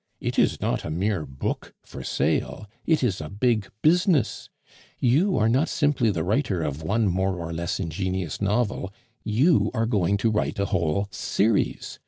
It is not a mere book for sale, it is a big business; you are not simply the writer of one more or less ingenious novel, you are going to write a whole series.